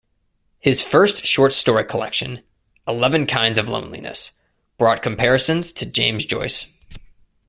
His first short story collection, "Eleven Kinds of Loneliness", brought comparisons to James Joyce.